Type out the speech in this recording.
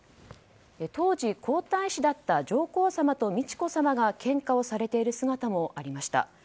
当時、皇太子だった上皇さまと美智子さまが献花をされている姿もありました。